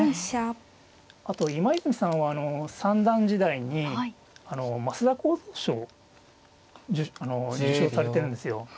あと今泉さんは三段時代に升田幸三賞受賞されてるんですよ。